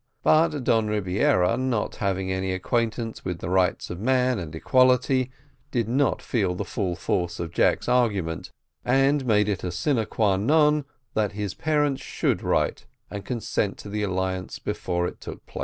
But Don Rebiera, not having any acquaintance with the rights of man and equality, did not feel the full force of Jack's argument, and made it a sine qua non that his parents should write and consent to the alliance before it took place.